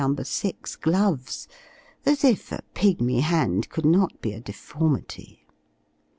6. gloves as if a pigmy hand could not be a deformity.